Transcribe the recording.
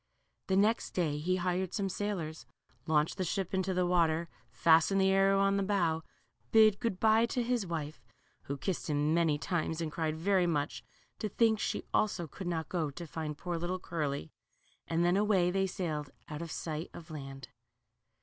The next day he hired some sailors, launched the ship into the water, fastened the arrow on the bow, bid good by to his wife, who kissed him many times and cried very much to think she also could not go to find poor little Curly, and then away they sailed out of sight of land.